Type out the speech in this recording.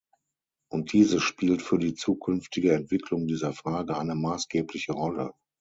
Und dieses spielt für die zukünftige Entwicklung dieser Frage eine maßgebliche Rolle.